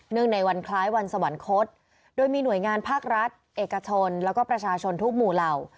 ในวันคล้ายวันสวรรคตโดยมีหน่วยงานภาครัฐเอกชนแล้วก็ประชาชนทุกหมู่เหล่า